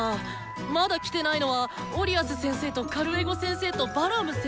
まだ来てないのはオリアス先生とカルエゴ先生とバラム先生！